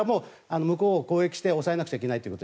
向こうを攻撃して抑えなきゃいけないと。